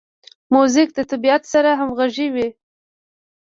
موزیک د طبیعت سره همغږی وي.